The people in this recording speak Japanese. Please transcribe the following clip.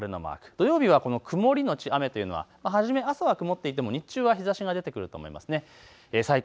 土曜日は曇り後雨というのは初め朝は曇っていても日中は日ざしが出てくると思います。